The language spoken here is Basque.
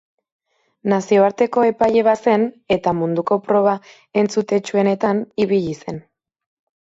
Nazioarteko epaile bazen eta munduko proba entzutetsuenetan ibili zen.